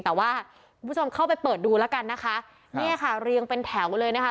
แต่ว่าคุณผู้ชมเข้าไปเปิดดูแล้วกันนะคะเนี่ยค่ะเรียงเป็นแถวเลยนะคะ